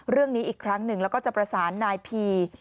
เรื่องนี้อีกครั้งหนึ่งแล้วก็จะประสานนายพี